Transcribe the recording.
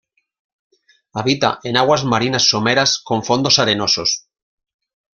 Habita en aguas marinas someras con fondos arenosos.